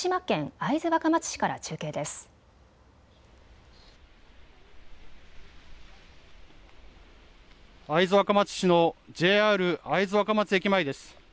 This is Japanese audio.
会津若松市のＪＲ会津若松駅前です。